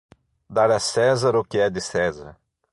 Dar a César o que é de César